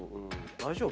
大丈夫？